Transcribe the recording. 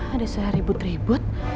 ada saya ribut ribut